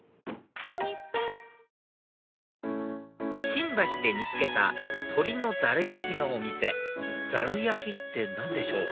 新橋で見つけた鶏のざる焼のお店ざる焼って何でしょう？